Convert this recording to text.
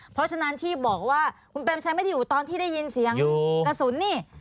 เพราะฉะนั้นที่บอกว่าคุณเปรมชัยไม่ได้อยู่ตอนที่ได้ยินเสียงกระสุนนี่